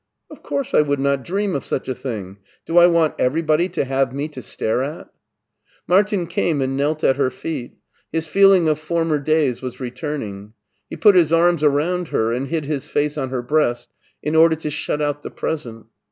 Of course I would not dream of such a thing ! Do I want everybody to have me to stare at ?" Martin came and knelt at her feet. His feeling of former days was returning. He put his arms around her and hid his face on her breast in order to shut out the present.